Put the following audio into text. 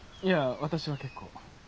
いや私は結構。